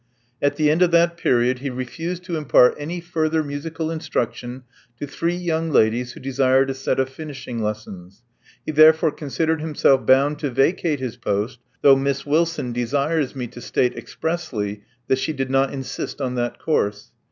At the end of that period he refused to impart any further musical instruction to three young ladies who desired a set of finishing lessons. He therefore considered himself bound to vacate his post, though Miss Wilson desires me to state expressly that she did not insist on that course.